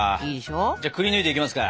じゃあくりぬいていきますか！